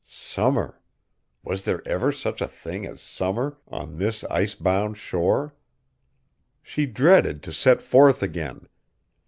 Summer! Was there ever such a thing as summer on this ice bound shore? She dreaded to set forth again.